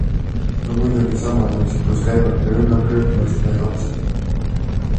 No muidugi samadest, kus käivad ka rünnakrühmlaste lapsed.